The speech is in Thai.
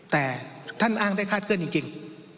แต่ท่านอ้างได้คาดเคลื่อนจริง